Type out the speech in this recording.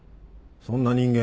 そんな人間